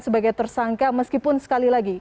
sebagai tersangka meskipun sekali lagi